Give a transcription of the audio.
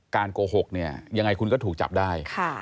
โกหกเนี่ยยังไงคุณก็ถูกจับได้